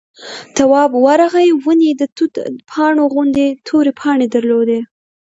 تواب ورغی ونې د توت پاڼو غوندې تورې پاڼې درلودې.